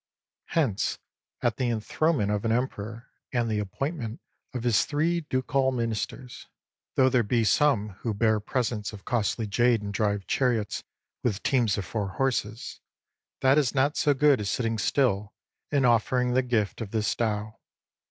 Hence at the enthronement of an Emperor and the appointment of his three ducal ministers, though there be some who bear presents of costly jade and drive chariots with teams of four horses, that is not so good as sitting still and offering the gift of this Tao.